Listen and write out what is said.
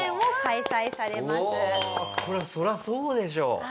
おおこれはそりゃそうでしょう。